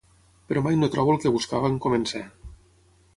Però mai no trobo el que buscava en començar.